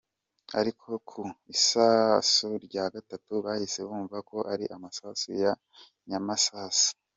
Ariko ku isasu rya gatatu bahise bumva ko ari amasasu nya masasu.